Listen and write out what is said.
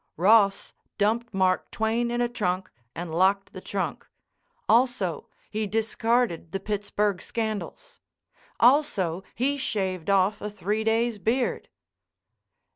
Ross dumped Mark Twain in a trunk and locked the trunk. Also, he discarded the Pittsburg scandals. Also, he shaved off a three days' beard.